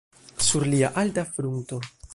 Sur lia alta frunto.